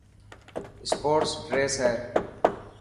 اسپورٽس ڊريسن هي.